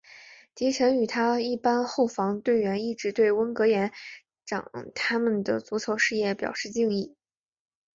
迪臣与他一班后防队友一直对温格延长他们的足球事业表示敬意。